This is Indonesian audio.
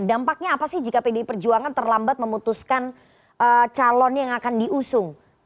dampaknya apa sih jika pdi perjuangan terlambat memutuskan calon yang akan diusung